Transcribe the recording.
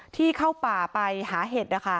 ที่เข้าป่าไปหาเห็ด